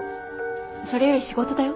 それより仕事だよ。